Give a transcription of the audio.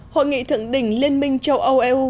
hội nghị thượng đỉnh liên minh châu âu eu